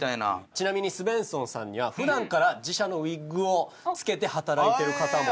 ちなみにスヴェンソンさんには普段から自社のウィッグを着けて働いてる方もいらっしゃるそうで。